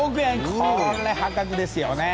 これ破格ですよね。